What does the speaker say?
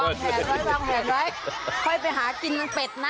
วางแขนไว้ค่อยไปหากินเบ็ดนะ